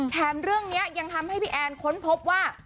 เรื่องนี้ยังทำให้พี่แอนค้นพบว่า